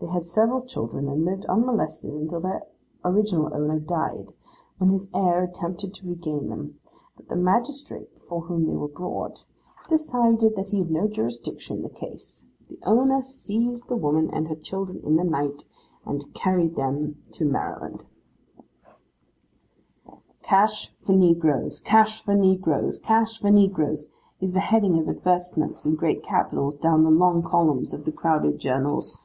They had several children, and lived unmolested until the original owner died, when his heir attempted to regain them; but the magistrate before whom they were brought, decided that he had no jurisdiction in the case. The owner seized the woman and her children in the night, and carried them to Maryland.' 'Cash for negroes,' 'cash for negroes,' 'cash for negroes,' is the heading of advertisements in great capitals down the long columns of the crowded journals.